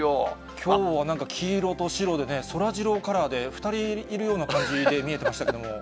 きょうはなんか黄色と白で、そらジローカラーで、２人いるような感じで、見えてましたけども。